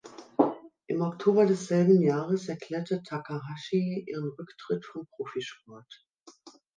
Im Oktober desselben Jahres erklärte Takahashi ihren Rücktritt vom Profisport.